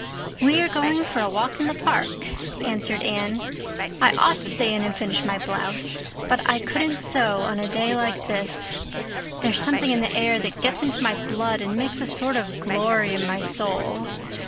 "We are going for a walk in the park," answered Anne. "I ought to stay in and finish my blouse. But I couldn't sew on a day like this. There's something in the air that gets into my blood and makes a sort of glory in my soul.